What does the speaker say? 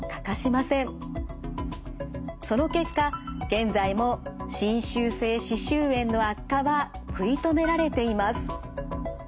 その結果現在も侵襲性歯周炎の悪化は食い止められています。